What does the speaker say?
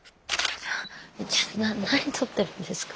ちょ何撮ってるんですか。